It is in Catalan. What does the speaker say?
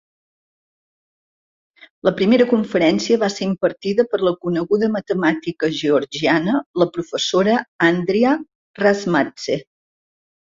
La primera conferència va ser impartida per la coneguda matemàtica georgiana, la professora Andria Razmadze.